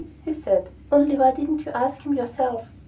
he said. "Only why didn't you ask him yourself?"